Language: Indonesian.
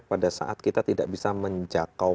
pada saat kita tidak bisa menjangkau